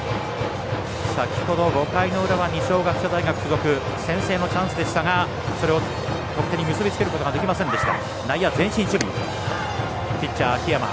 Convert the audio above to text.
先ほど５回の裏は二松学舎大付属先制のチャンスでしたが、得点に結びつけることができませんでした。